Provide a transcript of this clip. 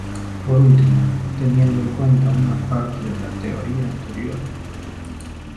Por último, teniendo en cuenta una parte de la teoría anterior.